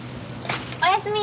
おやすみ。